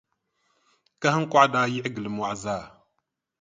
Kahiŋkɔɣu daa yiɣi gili mɔɣu zaa.